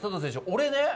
俺ね